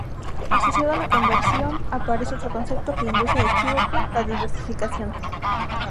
Asociado a la conversión, aparece otro concepto que induce a equívoco: la diversificación.